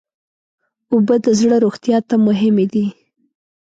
اوبه د زړه روغتیا ته مهمې دي.